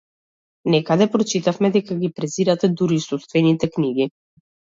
Некаде прочитавме дека ги презирате дури и сопстените книги.